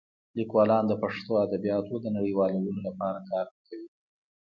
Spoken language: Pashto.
لیکوالان د پښتو ادبیاتو د نړیوالولو لپاره کار نه کوي.